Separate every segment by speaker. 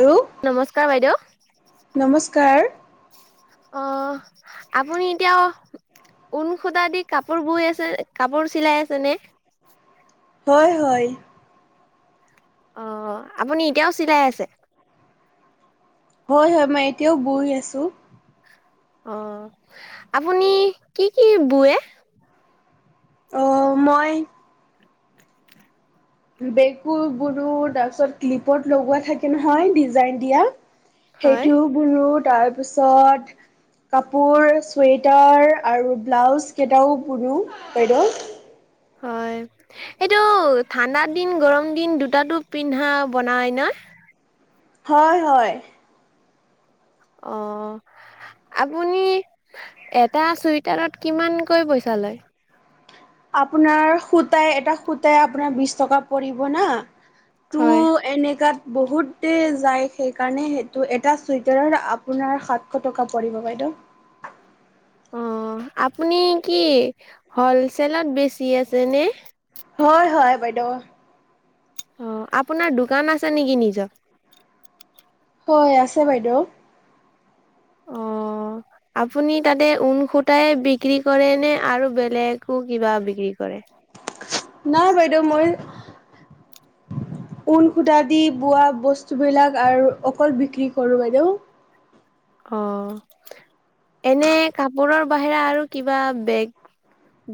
Speaker 1: Hello
Speaker 2: নমস্কাৰ বাইদেউ।
Speaker 1: নমস্কাৰ
Speaker 2: অ' আপুনি এতিয়াও ঊন সূতা দি কাপোৰ বুই আছে কাপোৰ চিলাই আছে নে?
Speaker 1: হয় হয়।
Speaker 2: অ' আপুনি এতিয়াও চিলাই আছে?
Speaker 1: হয় হয়, মই এতিয়াও বুই আছোঁ।
Speaker 2: অ'। আপুনি কি কি বুয়ে?
Speaker 1: অ' মই বেকুৰ বুৰু তাৰপিছত ক্লিপত লগোৱা থাকে নহয় ডিজাইন দিয়া
Speaker 2: হয়
Speaker 1: সেইটোও বুলো তাৰপিছত কাপোৰ, চুৱেটাৰ আৰু ব্লাউজকেইটাও পুৰো বাইদেউ।
Speaker 2: হয়। এইটো ঠাণ্ডা দিন, গৰম দিন দুটাতো পিন্ধা বনাই ন'?
Speaker 1: হয় হয়।
Speaker 2: অ'। আপুনি এটা চুৱেটাৰত কিমানকৈ পইচা লয়?
Speaker 1: আপোনাৰ সূতাই এটা সূতাই আপোনাৰ বিশ টকা পৰিব না তো
Speaker 2: হয়
Speaker 1: এনেকা বহুতে যায় সেইকাৰণে সেইটো এটা চুৱেটাৰৰ আপোনাৰ সাতশ টকা পৰিব বাইদেউ।
Speaker 2: অ' আপুনি কি হ'লচেলত বেছি আছেনে?
Speaker 1: হয় হয় বাইদেউ।
Speaker 2: অ'। আপোনাৰ দোকান আছে নেকি নিজৰ?
Speaker 1: হয় আছে বাইদেউ।
Speaker 2: অ'। আপুনি তাতে ঊনসুতাই বিক্ৰী কৰে নে আৰু বেলেগো কিবা বিক্ৰী কৰে?
Speaker 1: নাই বাইদেউ মই ঊন সূতা দি বোৱা বস্তু বিলাক আৰু অকল বিক্ৰী কৰো বাইদেউ।
Speaker 2: অ', এনে কাপোৰৰ বাহিৰে আৰু কিবা বেগ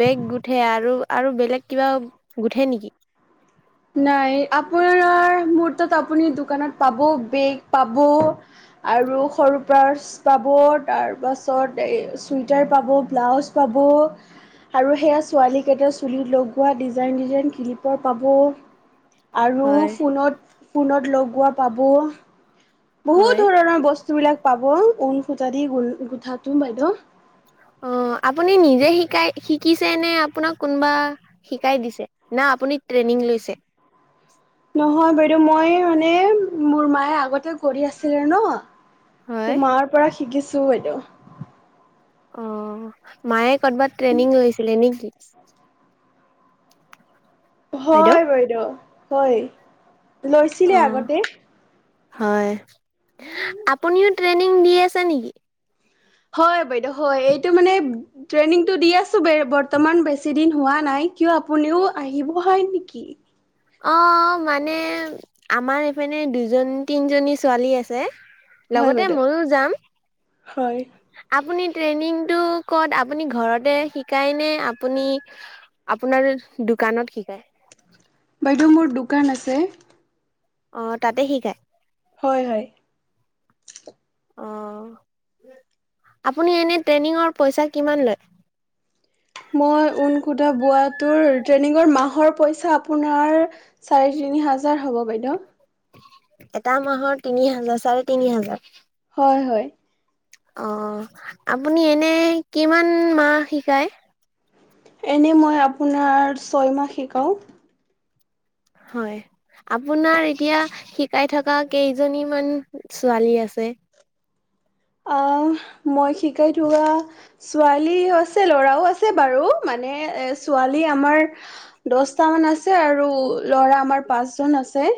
Speaker 2: বেগ গুঠে আৰু, আৰু বেলেগ কিবা গুঠে নেকি?
Speaker 1: নাই, আপোনাৰ মুৰতাত আপুনি দোকানত পাব বেগ পাব আৰু সৰু পাৰ্চ পাব, তাৰপাছত চুইদাৰ পাব, ব্লাউজ পাব আৰু সেয়া ছোৱালীকেইটা চুলিত লগোৱা ডিজাইন ডিজাইন ক্লিপাৰ পাব। আৰু
Speaker 2: হয়,
Speaker 1: ফোনত-ফোনত লগোৱা পাব, বহুত
Speaker 2: হয়।
Speaker 1: ধৰণৰ বস্তু বস্তুবিলাক পাব, ঊল খুতা দি [unintelligible] গোঠাটো বাইদেউ
Speaker 2: অ', আপুনি নিজে শিকাই শিকিছে নে আপোনাক কোনবা শিকাই দিছে, না আপুনি ট্ৰেইনিং লৈছে?
Speaker 1: নহয় বাইদেউ, মই মানে মোৰ মায়ে আগতে কৰি আছিলে নহ
Speaker 2: হয়।
Speaker 1: তো মাৰ পৰা শিকিছো বাইদেউ।
Speaker 2: অ', মায়ে কদ'বাত ট্ৰেইনিং লৈছ ছিলে নেকি?
Speaker 1: হয়, বাইদেউ। হয়, লৈছিলে
Speaker 2: অ',
Speaker 1: আগতে।
Speaker 2: হয়, আপুনিও ট্ৰেইনিং দি আছে নেকি?
Speaker 1: হয়, বাইদেউ। হয়, এইটো মানে ট্ৰেইনিংটো দি আছোঁ, বে-বৰ্তমান বেছি দিন হোৱা নাই কিয় আপুনিও আহিব হয় নেকি?
Speaker 2: অ', মানে আমাৰ এইপিনে দুজন-তিনিজনী ছোৱালী আছে।
Speaker 1: হয়
Speaker 2: লগতে
Speaker 1: বাইদেউ
Speaker 2: মইও যাম।
Speaker 1: হয়
Speaker 2: আপুনি ট্ৰেইনিংটো ক'ত, আপুনি ঘৰতে শিকায় নে আপুনি আপোনাৰ, দোকানত শিকাই?
Speaker 1: বাইদেউ মোৰ দোকান আছে।
Speaker 2: অ', তাতে শিকায়?
Speaker 1: হয়, হয়।
Speaker 2: অ', আপুনি এনে ট্ৰেইনিংৰ পইচা কিমান লয়?
Speaker 1: মই ঊনসূতা বোৱাটোৰ ট্ৰেইনিংৰ মাহৰ পইচা আপোনাৰ চাৰে তিনি হাজাৰ হ'ব বাইদেউ।
Speaker 2: এটা মাহৰ তিনি হাজাৰ, চাৰে তিনি হাজাৰ?
Speaker 1: হয়, হয়।
Speaker 2: অ', আপুনি এনে কিমান মাহ শিকায়?
Speaker 1: এনেই মই আপোনাৰ, ছয়মাহ শিকাও।
Speaker 2: হয়, আপোনাৰ এতিয়া শিকাই থকা কেইজনী মান ছোৱালী আছে?
Speaker 1: অ', মই শিকাই থকা ছোৱালী হৈছে, ল'ৰাও আছে বাৰু। মানে, এ ছোৱালী আমাৰ দশটা মান আছে আৰু, ল'ৰা আমাৰ পাঁচ জন আছে।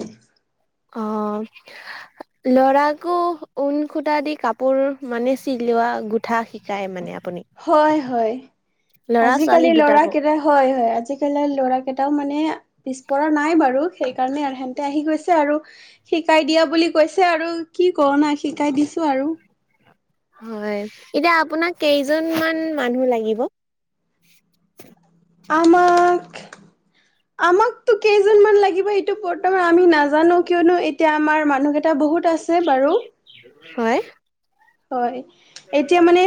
Speaker 2: অ'। ল'ৰাকো ঊন সূতা দি কাপোৰ, মানে চিলোৱা গোট গুথা শিকায় মানে আপুনি?
Speaker 1: হয়, হয়,
Speaker 2: ল'ৰা ছোৱালী
Speaker 1: আজিকালি ল'ৰা
Speaker 2: দুটাকো
Speaker 1: কেইটা হয়, হয়, আজিকালি ল'ৰা কেইটাও মানে পিছপৰা নাই বাৰু, সেইকাৰণে আৰু এহেনতে আহি গৈছে আৰু। শিকাই দিয়া বুলি কৈছে আৰু, কি কৰো নাই শিকাই দিছোঁ আৰু।
Speaker 2: হয়, এতিয়া আপোনাক কেইজন মান মানুহ লাগিব?
Speaker 1: আমাক
Speaker 2: [inaudible]
Speaker 1: আমাকতো কেইজনমান লাগিব এইটো বৰ্তমান আমি নাজানো, কিয়নো এতিয়া আমাৰ মানুহকেইটা বহুত আছে। আছে বাৰু।
Speaker 2: হয়
Speaker 1: হয় এতিয়া মানে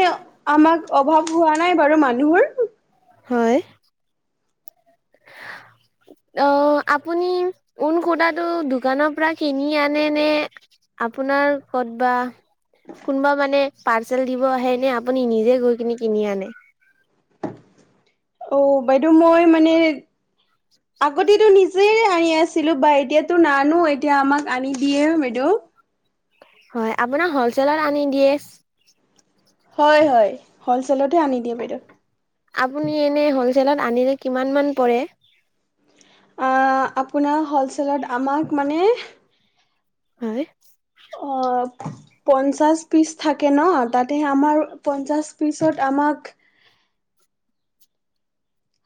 Speaker 1: আমাক অভাৱ হোৱা নাই বাৰু মানুহৰ
Speaker 2: হয় [inaudible] অ আপুনি ঊন সূতাটো দোকানৰ পৰা কিনি আনে নে আপোনাৰ ক'ত বা কোনোবা মানে পাৰ্চেল দিব আহে নে আপুনি নিজে গৈ কিনে কিনি আনে
Speaker 1: অ বাইদেউ মই মানে আগতেতো নিজে যে আনি আছিলোঁ বা এতিয়াতো নানো এতিয়া আমাক আনি দিয়ে বাইদেউ
Speaker 2: হয় আপোনাক হলচেলত আনি দিয়ে
Speaker 1: হয় হয় হলচেলতহে আনি দিয়ে বাইদেউ
Speaker 2: আপুনি এনেই হ'লচেলত আনিলে কিমান মান পৰে
Speaker 1: আপোনাৰ হ'লচেলত আমাক মানে
Speaker 2: হয়
Speaker 1: অ পঞ্চাশ পিচ থাকে ন তাতে আমাৰ পঞ্চাশ পিচত আমাক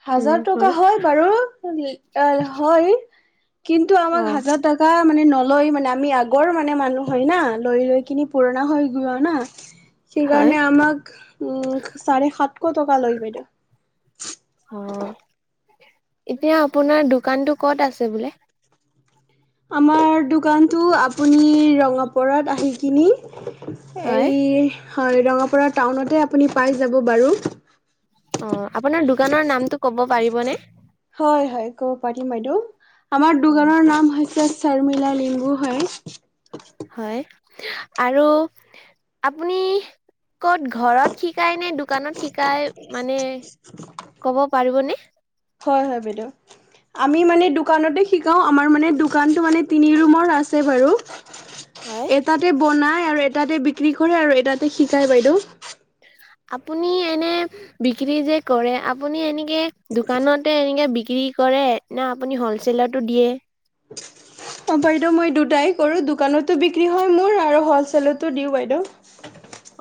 Speaker 1: হাজাৰ টকা হয় বাৰু হয় কিন্তু
Speaker 2: অ
Speaker 1: আমাক হাজাৰ টকা মানে নলৈ মানে আমি আগৰ মানে মানুহ হয় না লৈ লৈ কিনি পুৰণা হৈ যোৱা না
Speaker 2: হয়
Speaker 1: সেইকাৰণে আমাক উম চাৰে সাতশ টকা লয় বাইদেউ
Speaker 2: হয় হয় এতিয়া আপোনাৰ দোকানতো ক'ত আছে বোলে
Speaker 1: আমাৰ দোকানটো আপুনি ৰঙাপৰত আহি কিনে
Speaker 2: হয়,
Speaker 1: এই হয় ৰঙাপাৰা টাউনতে আপুনি পাই যাব বাৰু
Speaker 2: অ আপোনাৰ দোকানৰ নামটো ক'ব পাৰিবনে
Speaker 1: হয় হয় ক'ব পাৰিম বাইদেউ আমাৰ
Speaker 2: অ',
Speaker 1: দোকানৰ নাম হৈছে শৰ্মিলা লিম্বু হয়
Speaker 2: হয় আৰু আপুনি ক'ত ঘৰত শিকাই নে দোকানত শিকাই মানে কব পাৰিবনে
Speaker 1: হয় হয় বাইদেউ আমি মানে দোকানতে শিকাওঁ আমাৰ মানে দোকানটো মানে তিনি ৰুমৰ আছে বাৰু
Speaker 2: হয়
Speaker 1: এটাতে বনায় আৰু এটাতে বিক্ৰী কৰে আৰু এটাতে শিকায় বাইদেউ
Speaker 2: আপুনি এনে বিক্ৰী যে কৰে আপুনি এনেকে দোকানত ততে এনেকৈ বিক্ৰী কৰে না আপুনি হ'লচেলতো দিয়ে [inaudible]
Speaker 1: অ বাইদেউ মই দুটাই কৰো দোকানতো বিক্ৰী হয় মোৰ আৰু হলছেেলতো দিওঁ বাইদেউ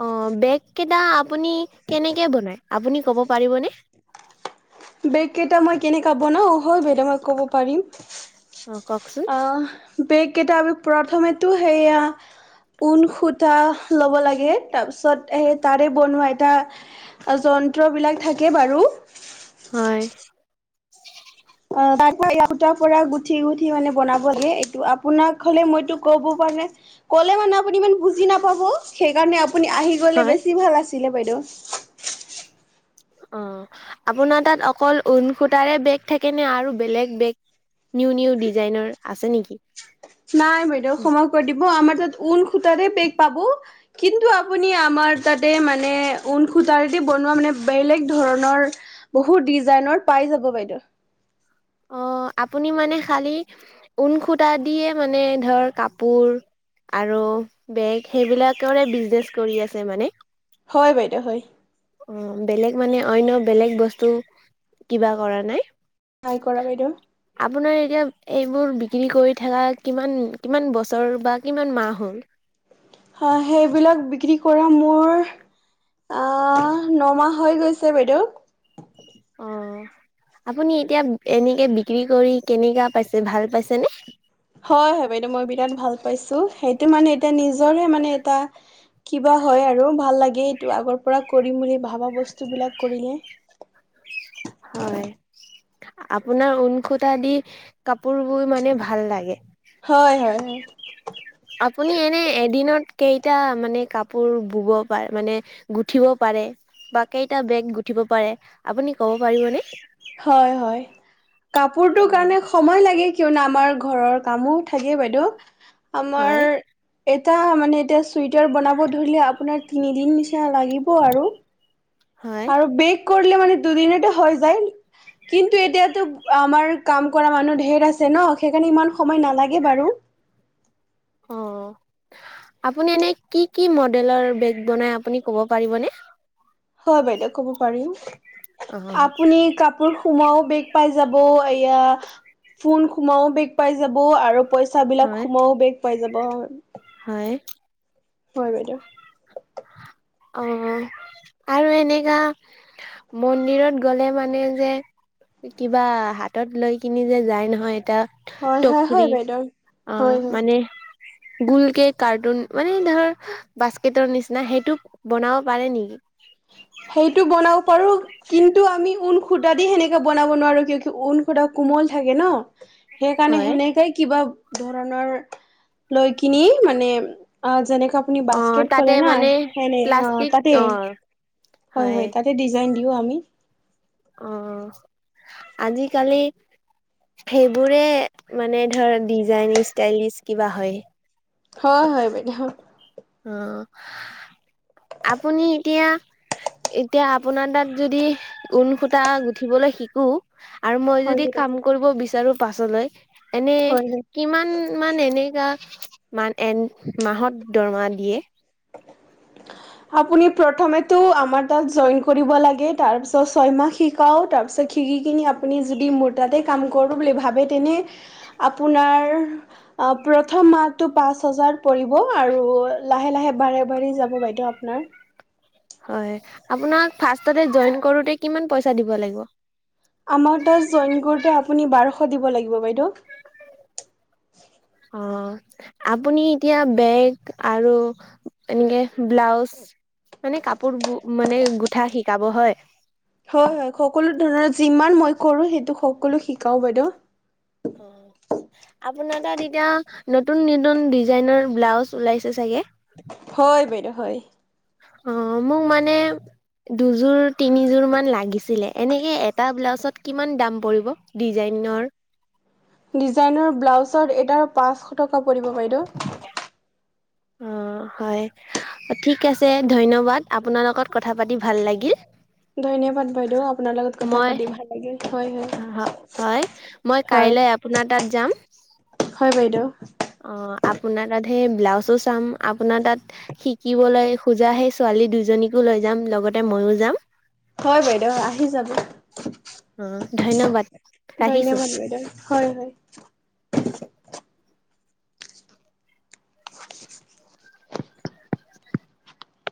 Speaker 2: অ বেগ কেইটা আপুনি কেনেকে বনায় আপুনি ক'ব পাৰিবনে
Speaker 1: বেগ কেইটা মই কেনেককাা বনাওঁ অ হয় বেদে মই ক'ব পাৰিম
Speaker 2: অ কওকচোন
Speaker 1: বেগ কেইিতাপি প্ৰথমেতো সেয়া ঊল সূতা ল'ব লাগে তাৰপিছত স তাৰে বনোৱা এটা যন্ত্ৰবিলাক থাকে বাৰু
Speaker 2: হয়
Speaker 1: অ তাৰুটাৰ পৰা গুঠি গুঠি মানে বনাব দাগে এইটো আপোনাক হলে মইতো কব পাৰে কলে মানে আপুনি ইমান বুজি নাপাব সেইকাৰণে আপুনি আহি গলে
Speaker 2: হয়।
Speaker 1: বেছি ভাল আছিলে বাইদেউ
Speaker 2: অ আপোনাৰ তাত অকল ঊ সুতাৰে বেগ থাকে নে আৰু বেলেগ বেগ নিউ নিউ ডিজাইনৰ আছে নেকি
Speaker 1: নাই বাইদেউ সময় কৰি দিব আমাৰ তাত ঊল খূতাৰে পেক পাব কিন্তু আপুনি আমাৰ তাতে মানে ঊ সূতাৰেদি বনোৱা মানে বেলেগ ধৰণৰ বহুত ডিজাইনৰ পাই যাব বাইদেউ
Speaker 2: অ আপুনি মানে খালি ঊন খুটাা দিয়ে মানে ধৰ কাপোৰ আৰু বেগ সেইবিলাকৰে বিজনেচ কৰি আছে মানে
Speaker 1: হয় বাইদেউ হয়
Speaker 2: অ বেলেগ মানে অনয় বেলেগ বস্তু কিবা কৰা নাই
Speaker 1: নাই কৰা বাইদেউ
Speaker 2: আপোনাৰ এতিয়া এইবোৰ বিক্ৰী কৰি থকা কিমান কিমান বছৰ বা কিমান মাহ হ'ল
Speaker 1: সেইবিলাক বিক্ৰী কৰা মোৰ নমাহ হৈ গৈছে বাইদেউ
Speaker 2: অ আপুনি এতিয়া এনেকে বিক্ৰী কৰি কেনেককাা পাইছে ভাল পাইছেনে
Speaker 1: হয় হয় বাইদেউ মই বিৰাট ভাল পাইছো সেইটো মানে এতিয়া নিজৰহে মানে এটা কিবা হয় আৰু ভাল লাগে এইটো আগৰ পৰা কৰিম বুলি ভবা বস্তুবিলাক কৰিলে
Speaker 2: হয় আপোনাৰ ঊনসুটাা দি কাপোৰ বই মানে ভাল লাগে
Speaker 1: হয় হয় হয়
Speaker 2: আপুনি এনে এদিনত কেইটা মানে কাপোৰ বব পাৰে মানে গুঠিব পাৰে বা কেইটা বেগ গুঠিব পাৰে আপুনি ক'ব পাৰিবনেে
Speaker 1: হয় হয় কাপোৰটো কাৰণে সময় লাগে কিয়নো আমাৰ ঘৰৰ কামো থাকে বাইদেউ আমাৰ
Speaker 2: হয়
Speaker 1: এটা মানে এতিয়া চুৱেটাৰ বনাব ধৰিলে আপোনাৰ তিনি দিন নিচি লাগিব আৰু
Speaker 2: হয়
Speaker 1: আৰু বেগ কৰিলে মানে দুদিন এতে হৈ যায় কিন্তু এতিয়াতো আমাৰ কাম কৰা মানুহ ঢেৰ আছে ন সেইকাৰণে ইমান সময় নালাগে বাৰু
Speaker 2: অ আপুনি এনে কি কি মডেলৰ বেগ বনাই আপুনি ক'ব পাৰিবনে
Speaker 1: হয় বাইদেউ কব
Speaker 2: অ'।
Speaker 1: পাৰি কাপোৰ সোমোৱাও বেগ পাই যাব এয়া ফোন সোমাও বেগ পাই যাব আৰু পইচা বিলাক
Speaker 2: হয়
Speaker 1: সোমও বেগ পাই যাব
Speaker 2: হয়
Speaker 1: হয় বাইদেউ
Speaker 2: অ আৰু এনেকা মন্দিৰত গ'লে মানে যে কিবা হাতত লৈ কিনি যে যায় নহয় এতিটা
Speaker 1: হয় হয় হয়
Speaker 2: টকৰি
Speaker 1: বাইদেউ
Speaker 2: আহ
Speaker 1: হয় হয়।
Speaker 2: মানে গোলকে কাৰ্টুন মানে ধৰ বাস্কেটৰ নিচিনা না সেইটো বনাব পাৰে নেকি
Speaker 1: সেইটো বনাব পাৰো কিন্তু আমি ঊনসূটা দি সেনেকে বনাব নোৱাৰো কিয় কি ঊনসূটা কোমল থাকে ন? সেইকাৰণে
Speaker 2: হয়
Speaker 1: সেনেকাই কিবা ধৰণৰ লৈ কিনি মানে আ যেনেকা আপুনি
Speaker 2: অ
Speaker 1: বাস্কেট
Speaker 2: তাতে
Speaker 1: ক'ৰে না
Speaker 2: মানে
Speaker 1: সেনে অ' তাতেই। হয় হয় তাতে ডিজাইন দিওঁ আমি।
Speaker 2: অ' আজিকালি সেইবোৰে মানে ধৰ ডিজাইন ষ্টাইলিছ কিবা হয়।
Speaker 1: হয় হয় বাইদেউ।
Speaker 2: অ' আপুনি এতিয়া এতিয়া আপোনাৰ তাত যদি ঊণসূতা গুঠিবলৈ শিকো আৰু মই
Speaker 1: হয়
Speaker 2: যদি
Speaker 1: বাইদেউ
Speaker 2: কাম কৰিব বিচাৰো পাছলৈ এনেই
Speaker 1: হয় হয়।
Speaker 2: কিমান মান এনেকা মান এন মাহত দৰমা দিয়ে? [inaudible]
Speaker 1: আপুনি প্ৰথমেতো আমাৰ তাত জইন কৰিব লাগে তাৰপিছত ছয়মাহ সি শিকাওঁ তাৰপিছত শিকিকিনি আপুনি যদি মোৰ তাতে কাম কৰোঁ বুলি ভাবে তেনে আপোনাৰ অ' প্ৰথম মাহটো পাঁচ হাজাৰ পৰিব আৰু লাহে লাহে বাৰে বাৰে যাব বাইদেউ আপোনাৰ।
Speaker 2: হয়। আপোনাক ফাষ্টটে জইন কৰোটে কিমান পইচাদিব লাগিব?
Speaker 1: আমাৰ তাত জইন কৰোতে আপুনি বাৰশ দিব লাগিব বাইদেউ।
Speaker 2: অ' আপুনি এতিয়া বেগ আৰু এনেকে ব্লাউজ মানে কাপোৰ মানে গোঠা শিকাব হয়?
Speaker 1: হয়, হয়, সকলো ধৰণৰ যিমান মই কৰোঁ সেইটো সকলো শিকাও বাইদেউ।
Speaker 2: অ'। আপোনাৰ তাত এতিয়া নতুন নতুন ডিজাইনৰ ব্লাউজ ওলাইছে চাগে?
Speaker 1: হয় বাইদেউ হয়।
Speaker 2: অ' মোক মানে দুযোৰ তিনিযোৰ মান লাগিছিলে। এনেকে এটা ব্লাউজত কিমান দাম পৰিব? ডিজাইনৰ
Speaker 1: ডিজাইনৰ ব্লাউজত এটাত পাঁচশ টকা পৰিব বাইদেউ।
Speaker 2: অ' হয় ঠিক আছে, ধন্যবাদ। আপোনাৰ লগত কথা পাতি ভাল লাগিল।
Speaker 1: ধন্যবাদ। বাইদেউ, আপোনাৰ লগত কথা পাতি ভাল লাগিল হয়, হয়।
Speaker 2: হয়, হয়, মই
Speaker 1: হয়
Speaker 2: কাইলৈ আপোনাৰ তাত যাম।
Speaker 1: হয় বাইদেউ।
Speaker 2: অ' আপোনাৰ তাত সেই ব্লাউজো চাম। আপোনাৰ তাত শিকিবলৈ খোজা সেই ছোৱালী দুজনীকো লৈ যাম লগতে ময়ো যাম।
Speaker 1: হয় বাইদেউ আহি যাব।
Speaker 2: অ ধন্যবাদ ৰাখিছো
Speaker 1: ধন্যবাদ, বাইদেউ। হয়, হয়।